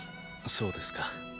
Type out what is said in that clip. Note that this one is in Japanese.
そうですか。